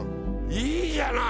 いいじゃない！